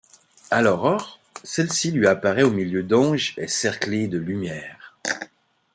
À l'aurore, Celle-ci lui apparait au milieu d'anges et cerclée de lumière.